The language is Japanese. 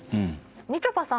みちょぱさん